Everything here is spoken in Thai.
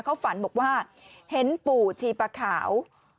เขาฝันบอกว่าเห็นปู่ชีปะขาว